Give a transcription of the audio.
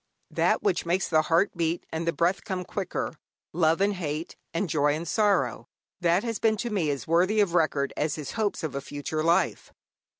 That which makes the heart beat and the breath come quicker, love and hate, and joy and sorrow that has been to me as worthy of record as his hopes of a future life.